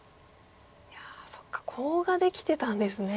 いやそっかコウができてたんですね。